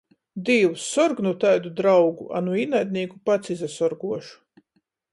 Dīvs, sorg nu taidu draugu, a nu īnaidnīku pats izasorguošu!